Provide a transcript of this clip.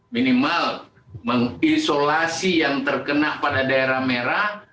minimal mengisolasi yang terkena pada daerah merah